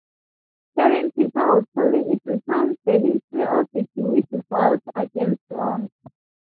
Starring Peter O'Toole, it recounts the history of the Jewish revolt against Rome.